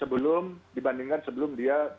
sebelum dibandingkan sebelum dia